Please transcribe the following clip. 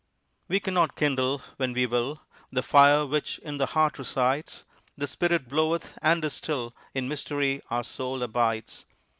We cannot kindle when we will The fire which in the heart resides; The spirit bloweth and is still, In mystery our soul abides.